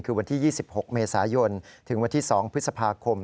คือวันที่๒๖เมษายนถึงวันที่๒พฤษภาคม